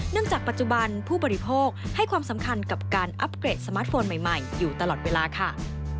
จากปัจจุบันผู้บริโภคให้ความสำคัญกับการอัพเกรดสมาร์ทโฟนใหม่อยู่ตลอดเวลาค่ะ